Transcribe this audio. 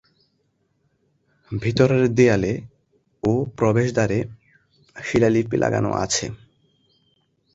ভিতরের দেয়ালে ও প্রবেশদ্বারে শিলালিপি লাগানো আছে।